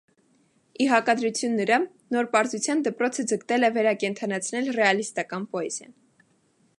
Ի հակադրություն նրա՝ «նոր պարզության» դպրոցը ձգտել է վերակենդանացնել ռեալիստական պոեզիան։